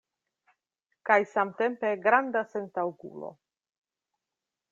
Kaj samtempe granda sentaŭgulo!